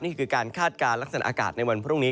นี่คือการคาดการณ์ลักษณะอากาศในวันพรุ่งนี้